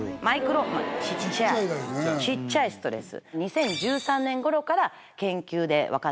ちっちゃいストレス。